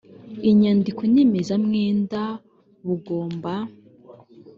inyandiko nyemezamwenda bugomba .